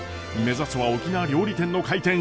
目指すは沖縄料理店の開店！